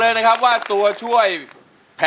เพลงนี้ที่๕หมื่นบาทแล้วน้องแคน